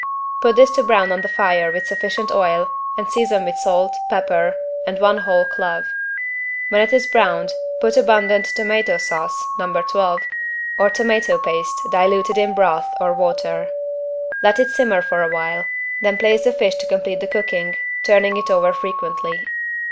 Put this to brown on the fire with sufficient oil and season with salt, pepper and one whole clove. When it is browned put abundant tomato sauce (No 12) or tomato paste diluted in broth or water. Let it simmer for a while, then place the fish to complete the cooking, turning it over frequently.